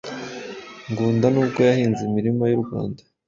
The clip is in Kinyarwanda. Ngunda nubwo yahinze imirima y’u Rwanda